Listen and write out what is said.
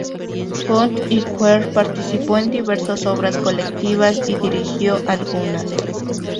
Font i Quer participó en diversas obras colectivas y dirigió algunas.